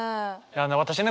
私ね